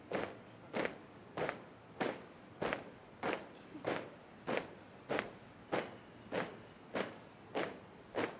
laporan komandan upacara terhadap sejarah yang